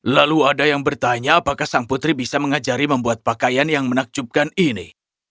lalu ada yang bertanya apakah sang putri bisa mengajari membuat pakaian yang menakjubkan ini